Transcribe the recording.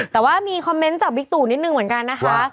แต่ว่ามีคอมเมนต์จากบิ๊กตู่นิดนึงเหมือนกันนะคะ